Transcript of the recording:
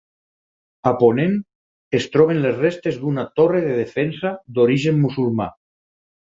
A ponent es troben les restes d'una torre de defensa d'origen musulmà.